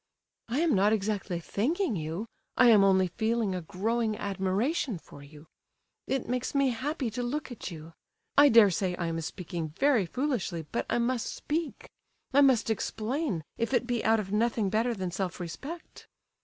"I am not exactly thanking you, I am only feeling a growing admiration for you—it makes me happy to look at you. I dare say I am speaking very foolishly, but I must speak—I must explain, if it be out of nothing better than self respect."